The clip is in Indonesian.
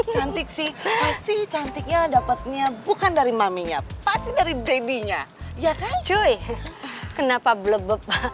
cantik sih cantiknya dapatnya bukan dari maminya pasti dari dadinya ya kan cuy kenapa blabub